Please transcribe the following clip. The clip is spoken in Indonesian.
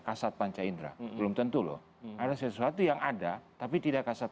kasat panca indra belum tentu loh ada sesuatu yang ada tapi tidak kasat